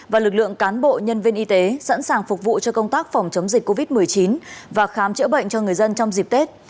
và lực lượng cán bộ nhân viên y tế sẵn sàng phục vụ cho công tác phòng chống dịch covid một mươi chín và khám chữa bệnh cho người dân trong dịp tết